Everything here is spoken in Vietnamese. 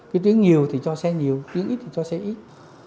cái tuyến nhiều thì cho xe nhiều tuyến ít thì cho xe ít